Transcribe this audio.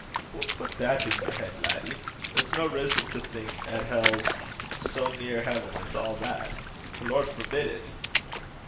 'What put that i' yer heid, laddie? There's no rizzon to think 'at hell's sae near haven as a' that. The Lord forbid it!'